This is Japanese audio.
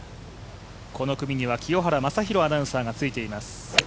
この組には清原正博アナウンサーがついています。